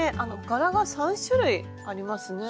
柄が３種類ありますね。